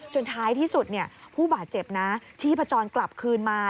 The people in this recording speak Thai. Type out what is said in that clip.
ท้ายที่สุดผู้บาดเจ็บนะชีพจรกลับคืนมา